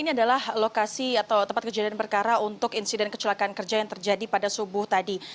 ini adalah lokasi atau tempat kejadian perkara untuk insiden kecelakaan kerja yang terjadi pada subuh tadi